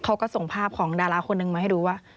เขาก็ส่งภาพของดาราคนหนึ่งมาให้ดูว่า